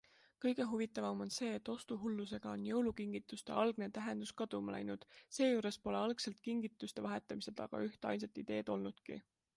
Kõige huvitavam on see, et ostuhullusega on jõulukingituste algne tähendus kaduma läinud, seejuures pole algselt kingituste vahetamise taga ühtainsat ideed olnudki.